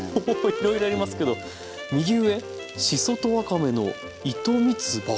いろいろありますけど右上しそとわかめの糸みつば